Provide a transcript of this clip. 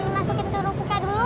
jangan dimasukin ke rupuknya dulu